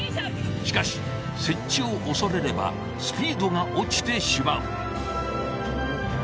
しかし接地を恐れればスピードが落ちてしまう。